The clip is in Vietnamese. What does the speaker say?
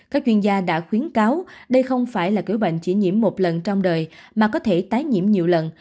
các chuyên gia đã khuyến cáo đây không phải là kiểu bệnh chỉ nhiễm một lần trong đời mà có thể tái nhiễm nhiều lần